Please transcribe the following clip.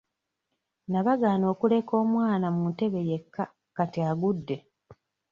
Nabagaana okuleka omwana mu ntebe yekka kati agudde.